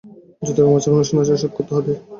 যত রকম আচার-অনুষ্ঠান আছে, সব করতে হবে।